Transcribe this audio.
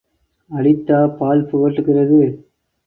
அடித்தா பால் புகட்டுகிறது?